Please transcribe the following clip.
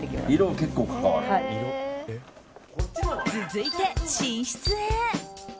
続いて寝室へ。